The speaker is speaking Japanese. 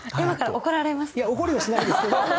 いや怒りはしないですけど。